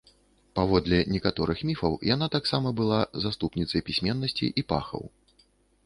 Паводле некаторых міфаў, яна таксама была заступніцай пісьменнасці і пахаў.